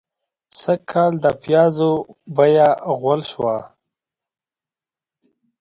سږکال د پيازو بيه غول شوه.